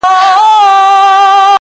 چيغې د شپې فضا ډکوي ډېر،